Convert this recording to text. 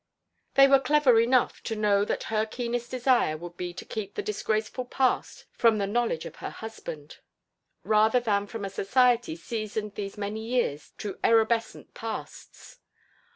They were clever enough to know that her keenest desire would be to keep the disgraceful past from the knowledge of her husband, rather than from a society seasoned these many years to erubescent pasts.